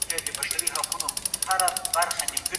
هغه توري چې په سترګو نه لیدل کیږي لیدل کیږي.